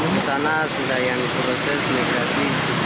di sana sudah yang proses migrasi